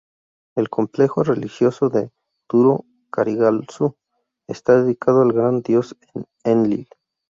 El complejo religioso de Duro-Kurigalzu está dedicado al gran dios Enlil.